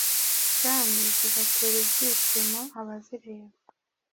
kandi zigatera ibyishimo abazireba.